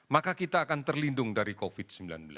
maka kita akan terlindung dari covid sembilan belas